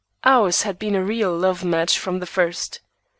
Ours had been a real love match from the first.